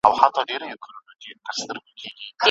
بیا به جهان راپسي ګورې نه به یمه